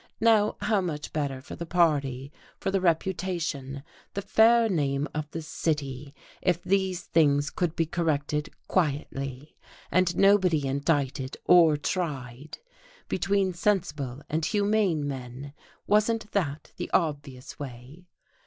Now how much better for the party, for the reputation, the fair name of the city if these things could be corrected quietly, and nobody indicted or tried! Between sensible and humane men, wasn't that the obvious way?